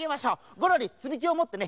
ゴロリつみきをもってね